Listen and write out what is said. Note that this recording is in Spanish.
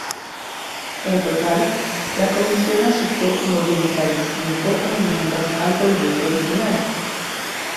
En total, la Comisión aceptó noventa y cinco enmiendas al proyecto original.